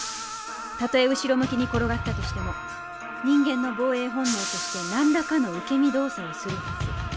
たとえ後ろ向きに転がったとしても人間の防衛本能としてなんらかの受け身動作をするはず。